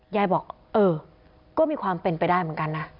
ยายบอกเออก็มีความเป็นไปได้เหมือนกันนะ